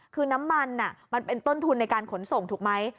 คือน้ำมันมันเป็นต้นทุนในการขนส่งถูกไหม